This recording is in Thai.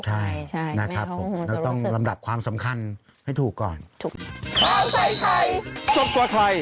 ใช่นะครับผมเราต้องลำดับความสำคัญให้ถูกก่อนถูก